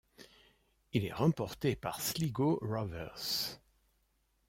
Il est remporté par Sligo Rovers.